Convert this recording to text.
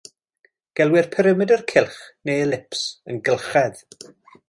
Gelwir perimedr cylch neu elips yn gylchedd.